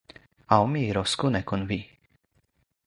aŭ mi iros kune kun vi.